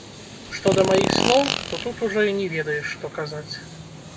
Што да маіх слоў, то тут ужо і не ведаеш, што казаць.